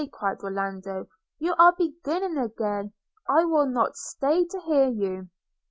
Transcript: cried Orlando, 'you are beginning again; I will not stay to hear you.'